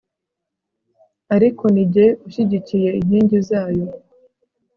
ariko ni jye ushyigikiye inkingi zayo